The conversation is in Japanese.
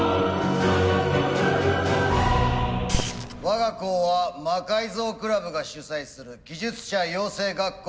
我が校は魔改造クラブが主宰する技術者養成学校である。